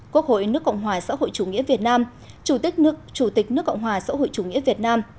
quốc hội nước cộng hòa xã hội chủ nghĩa việt nam chủ tịch nước cộng hòa xã hội chủ nghĩa việt nam